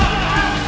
gak ada masalah